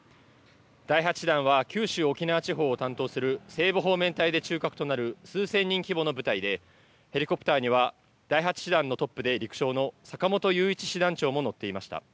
第８師団は九州、沖縄地方を担当する西部方面隊で中核となる数千人規模の部隊で、ヘリコプターには第８師団のトップで陸将の坂本雄一師団長も乗っていました。